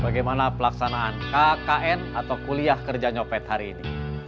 bagaimana pelaksanaan kkn atau kuliah kerja nyopet hari ini